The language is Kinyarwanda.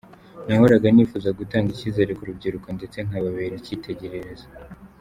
Nahoraga nifuza kutanga icyizere ku rubyiruko ndetse nkababera icyitegererez.